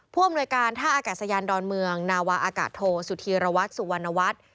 ผู้อำนวยการท่าอากาศยานดอนเมืองนาวาอากาศโทสุธีรวัตรสุวรรณวัฒน์